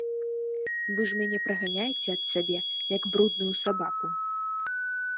Вы ж мяне праганяеце ад сябе, як брудную сабаку.